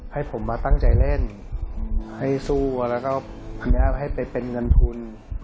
ให้ผมมาตั้งใจเล่นให้สู้แล้วก็ให้ไปเป็นเงินทุน